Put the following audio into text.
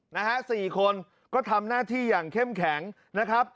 นะฮะสี่คนก็ทำหน้าที่อย่างเข้มแข็งนะครับ